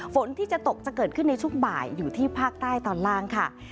ฝนที่จะตกจะเกิดขึ้นในช่วงบ่ายอยู่ที่ภาคใต้ตอนล่างค่ะ